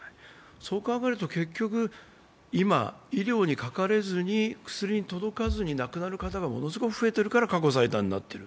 そう考えると、結局、今、医療にかかれずに、薬に届かずに亡くなる方がものすごく増えているから過去最多になっている。